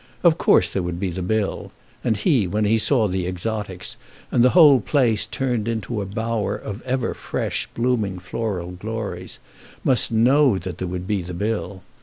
Of course there would be the bill; and he, when he saw the exotics, and the whole place turned into a bower of ever fresh blooming floral glories, must know that there would be the bill.